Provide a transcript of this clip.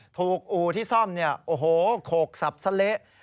อู่ที่ซ่อมเนี่ยโอ้โหโขกสับสเละ